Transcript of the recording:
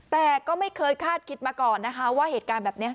แต่ก็ไม่เคยคาดคิดมาก่อนนะคะว่าเหตุการณ์แบบนี้